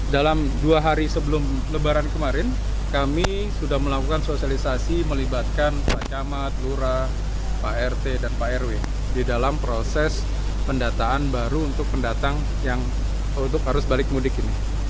dalam dua hari sebelum lebaran kemarin kami sudah melakukan sosialisasi melibatkan pak camat lurah pak rt dan pak rw di dalam proses pendataan baru untuk pendatang yang untuk arus balik mudik ini